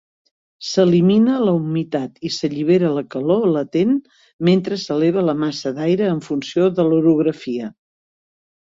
S'elimina la humitat i s'allibera la calor latent mentre s'eleva la massa d'aire en funció de l'orografia.